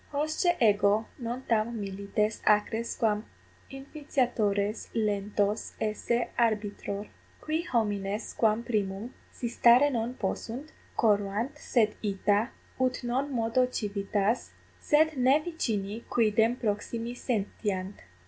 Hosce ego non tam milites acres quam infitiatores lentos esse arbitror. Qui homines quam primum, si stare non possunt, corruant, sed ita, ut non modo civitas, sed ne vicini quidem proximi sentiant.